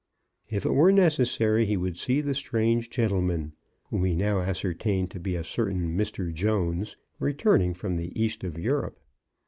If it were necessary, he would see the strange gentleman — whom he now ascertained to be a certain Mr. Jones, re turning from the east of Europe.